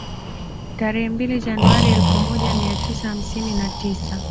Tarehe mbili Januari elfu moja mia tisa hamsini na tisa